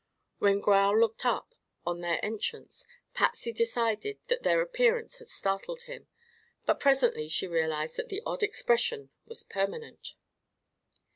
When Grau looked up, on their entrance, Patsy decided that their appearance had startled him, but presently she realized that the odd expression was permanent.